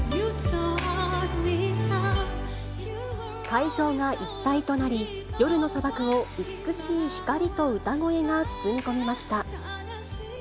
会場が一体となり、夜の砂漠を美しい光と歌声が包み込みました。